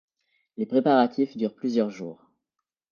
Les préparatifs durent plusieurs jours.